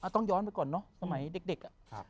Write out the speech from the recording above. ต้องย้อนไปก่อนเนอะสมัยเด็ก